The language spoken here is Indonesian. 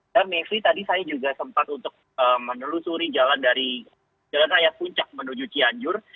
dan mifri tadi saya juga sempat untuk menelusuri jalan dari jalan raya puncak menuju cianjur